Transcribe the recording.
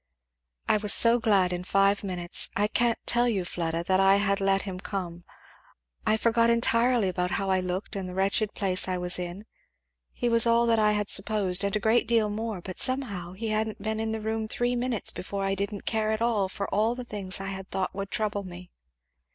"I was so glad in five minutes, I can't tell you, Fleda, that I had let him come. I forget entirely about how I looked and the wretched place I was in. He was all that I had supposed, and a great deal more, but somehow he hadn't been in the room three minutes before I didn't care at all for all the things I had thought would trouble me.